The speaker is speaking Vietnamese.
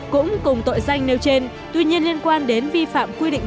cũng cùng tội danh nêu trên tuy nhiên liên quan đến vi phạm quy định